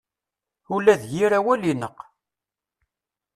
Ula d yir awal ineqq.